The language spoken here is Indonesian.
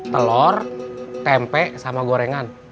telur tempe sama gorengan